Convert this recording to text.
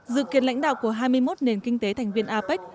dự kiến lãnh đạo của hai mươi một nền kinh tế thành viên apec